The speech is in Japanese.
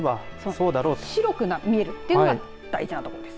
白く見えるというのが大事なところです。